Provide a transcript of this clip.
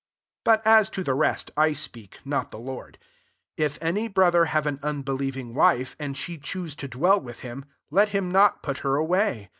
12 But as to the rest, 1 speaks not the Lord: If any brother have an unbelieving wife, and she choose to dwell with hiiB) let him not put her away.